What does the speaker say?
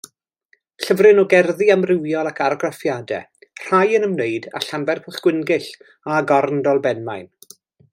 Llyfryn o gerddi amrywiol ac argraffiadau, rhai yn ymwneud â Llanfairpwllgwyngyll a Garndolbenmaen.